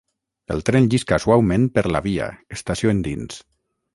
El tren llisca suaument per la via, estació endins.